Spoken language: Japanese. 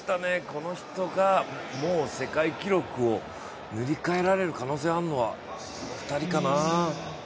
この人がもう世界記録を塗り替えられる可能性があるのは、この２人かな